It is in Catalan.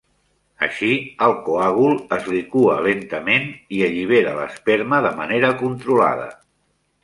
Així, el coàgul es liqua lentament i allibera l'esperma de manera controlada.